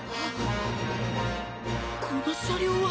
この車両は。